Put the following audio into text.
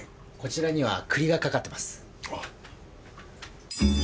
こちらには栗がかかってます。